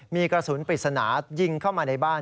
มีกระสุนปริศนายิงเข้ามาในบ้าน